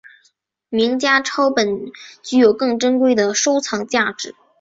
名家抄本具有更珍贵的收藏价值。